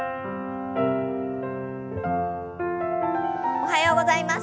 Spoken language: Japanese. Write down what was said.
おはようございます。